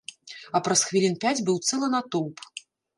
А праз хвілін пяць быў цэлы натоўп.